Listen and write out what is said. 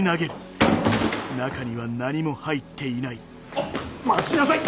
あっ待ちなさい！